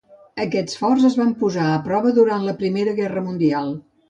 Aquests forts es van posar a prova durant la Primera Guerra Mundial.